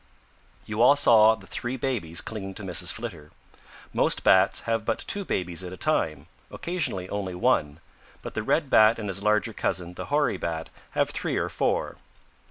"You all saw the three babies clinging to Mrs. Flitter. Most Bats have but two babies at a time, occasionally only one, but the Red Bat and his larger cousin, the Hoary Bat, have three or four.